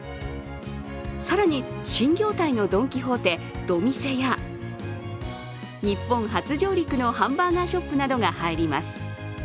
更に、新業態のドン・キホーテ、ドミセや日本初上陸のハンバーガーショップなどが入ります。